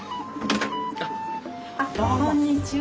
こんにちは。